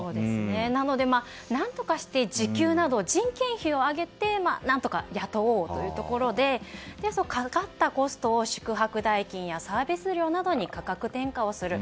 なので、何とかして時給などを人件費を上げて何とか雇おうというところでかかったコストを宿泊代金やサービス料などに価格転嫁をする。